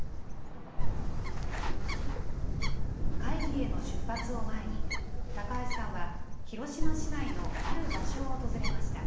会議への出発を前に、高橋さんは広島市内のある場所を訪れました。